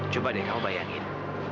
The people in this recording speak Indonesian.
coba deh kamu bayangin